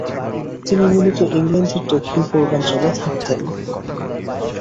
তিনি মূলত ইংল্যান্ডের দক্ষিণ-পূর্বাঞ্চলে থাকতেন।